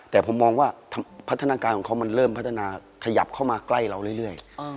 แต่ผมมองว่าพัฒนาการของเขามันเริ่มพัฒนาขยับเข้ามาใกล้เราเรื่อย